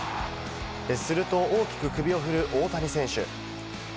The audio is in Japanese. すると大きく首を振る大谷選手。